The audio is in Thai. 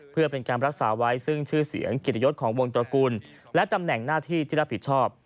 เพื่อเป็นการรักษาไว้ซึ่งชื่อเสียงกิจยศของวงตระกูลและตำแหน่งหน้าที่ที่รับผิดชอบ